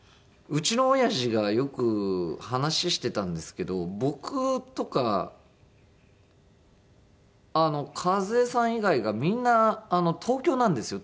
うちのおやじがよく話してたんですけど僕とかあの和枝さん以外がみんな東京なんですよ。